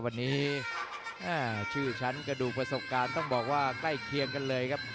วันนี้ชื่อฉันกระดูกประสบการณ์ต้องบอกว่าใกล้เคียงกันเลยครับ